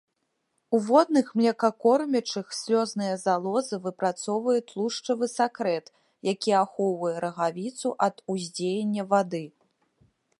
У водных млекакормячых слёзная залоза выпрацоўвае тлушчавы сакрэт, які ахоўвае рагавіцу ад уздзеяння вады.